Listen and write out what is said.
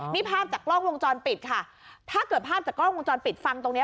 นี่ภาพจากกล้องวงจรปิดค่ะถ้าเกิดภาพจากกล้องวงจรปิดฟังตรงเนี้ย